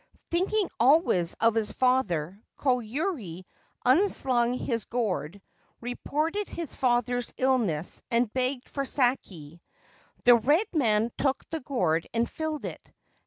Thinking always of his father, Koyuri unslung his gourd, reported his father's illness, and begged for sake. The red man took the gourd, and filled it.